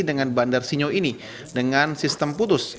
dengan bandar sinyo ini dengan sistem putus